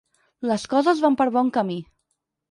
Les coses van per bon camí.